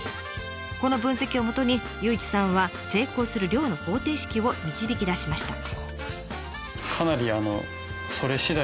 この分析をもとに祐一さんは成功する漁の方程式を導き出しました。